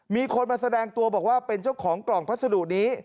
มีคนมาแสดงตัวบอกว่าเป็นเจ้าของกล่องพัสดุนี้